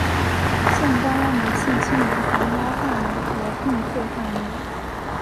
现关押男性年青还押犯人和定罪犯人。